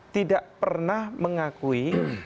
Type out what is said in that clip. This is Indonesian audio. tidak pernah mengakui